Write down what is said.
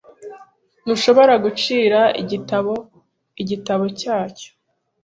Ntushobora gucira igitabo igitabo cyacyo .